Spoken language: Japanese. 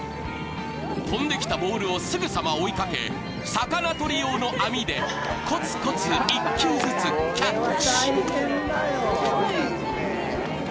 飛んできたボールをすぐさま追いかけ、魚とり用の網でコツコツ１球ずつキャッチ。